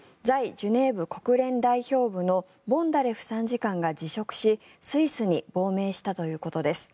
ジュネーブ国連代表部のボンダレフ参事官が辞職しスイスに亡命したということです。